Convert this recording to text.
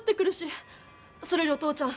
それよりお父ちゃん